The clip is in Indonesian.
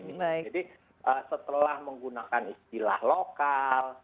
jadi setelah menggunakan istilah lokal